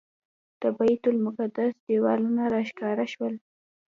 د بیت المقدس دیوالونه راښکاره شول.